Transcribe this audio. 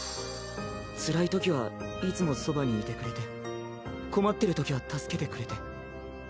つらいときはいつもそばにいてくれて困ってるときは助けてくれて。